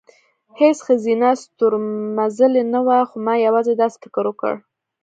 هېڅ ښځینه ستورمزلې نه وه، خو ما یوازې داسې فکر وکړ،